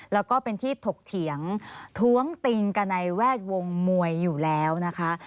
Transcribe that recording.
แล้วก็เป็นที่ถกเถียงท้วงติงกันในแวดวงมวยอยู่แล้วนะคะ